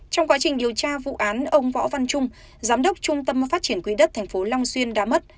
trong quá trình điều tra vụ án ông võ văn trung giám đốc trung tâm phát triển quỹ đất tp long xuyên đã mất